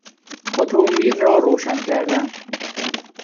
اتومبیل را روشن کردن